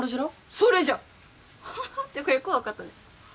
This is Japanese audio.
それじゃハハッてかよく分かったね